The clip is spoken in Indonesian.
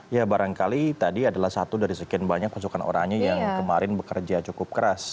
ya barangkali tadi adalah satu dari sekian banyak pasukan orangnya yang kemarin bekerja cukup keras